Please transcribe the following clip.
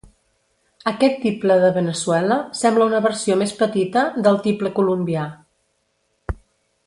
Aquest Tiple de Veneçuela, sembla una versió més petita del Tiple colombià.